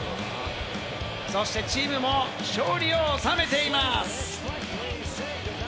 そしてチームも勝利を収めています。